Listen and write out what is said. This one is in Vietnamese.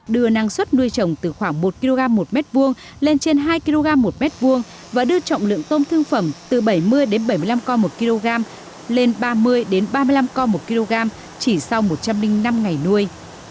đưa năng suất nuôi trồng từ khoảng một kg một m hai lên trên hai kg một m hai và đưa trọng lượng tôm thương phẩm từ bảy mươi bảy mươi năm co một kg lên ba mươi ba mươi năm co một kg chỉ sau một trăm linh năm ngày nuôi